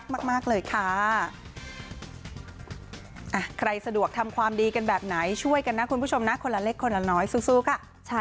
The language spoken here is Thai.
ใครสะดวกทำความดีกันแบบไหนช่วยกันนะคุณผู้ชมนะคนละเล็กคนละน้อยสู้ค่ะ